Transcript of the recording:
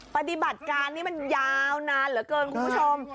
ปฏิบัติการนี้มันยาวนานเหลือเกินคุณผู้ชม